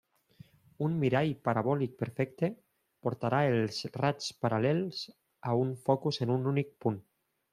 Un mirall parabòlic perfecte portarà els raigs paral·lels a un focus en un únic punt.